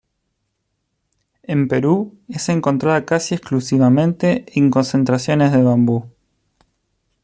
En Perú es encontrada casi exclusivamente en concentraciones de bambú.